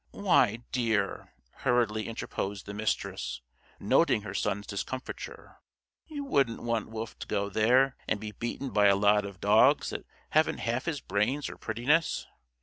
"Why, dear!" hurriedly interposed the Mistress, noting her son's discomfiture. "You wouldn't want Wolf to go there and be beaten by a lot of dogs that haven't half his brains or prettiness!